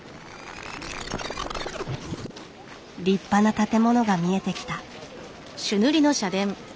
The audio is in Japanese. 立派な建物が見えてきた。